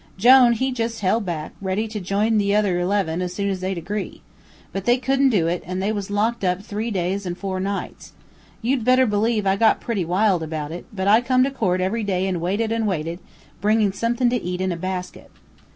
Jone he jus' held back, ready to jine the other eleven as soon as they'd agree. But they couldn't do it, an' they was locked up three days and four nights. You'd better believe I got pretty wild about it, but I come to court every day an' waited an' waited, bringin' somethin' to eat in a baskit.